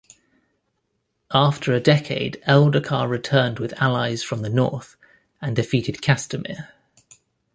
After a decade Eldacar returned with allies from the North and defeated Castamir.